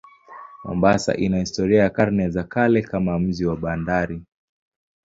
Mombasa ina historia ya karne za kale kama mji wa bandari.